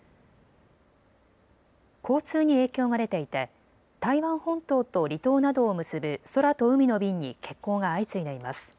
交通に影響が出ていて台湾本島と離島などを結ぶ空と海の便に欠航が相次いでいます。